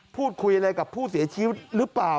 พูดคุยอะไรกับผู้เสียชีวิตหรือเปล่า